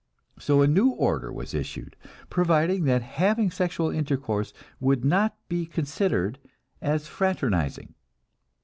So a new order was issued, providing that having sexual intercourse would not be considered as "fraternizing."